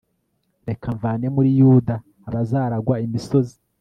reka mvane muri yuda abazaragwa imisozi